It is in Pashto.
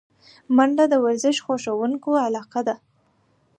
منډه د ورزش خوښونکو علاقه ده